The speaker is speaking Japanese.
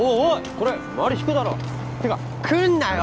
それ周り引くだろていうか来んなよ